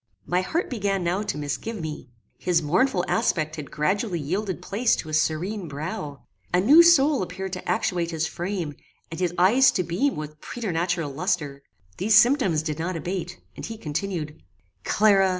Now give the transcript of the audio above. My heart began now to misgive me. His mournful aspect had gradually yielded place to a serene brow. A new soul appeared to actuate his frame, and his eyes to beam with preternatural lustre. These symptoms did not abate, and he continued: "Clara!